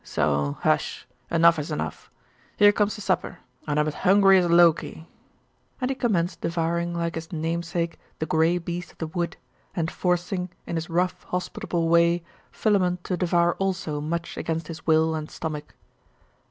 So! Hush; enough is enough. Here comes the supper, and I am as hungry as Loke.' And he commenced devouring like his namesake' 'the gray beast of the wood,' and forcing, in his rough hospitable way, Philammon to devour also much against his will and stomach.